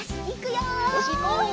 よしいこう！